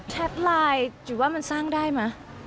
แชทไลน์หรือว่ามันสร้างได้ไหม